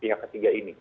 pihak ketiga ini